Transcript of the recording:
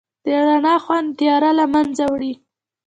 د رڼا خوند تیاره لمنځه وړي.